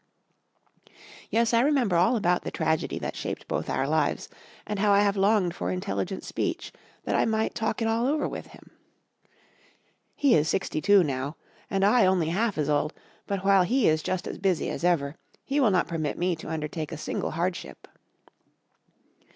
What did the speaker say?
Yes, I remember all about the tragedy that shaped both our lives, and how I have longed for intelligent speech that I might talk it all over with him. He is sixty two now and I only half as old, but while he is just as busy as ever, he will not permit me to undertake a single hardship.